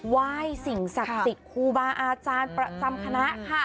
ไหว้สิ่งศักดิ์ครูบาอาจารย์ต่ำคณะ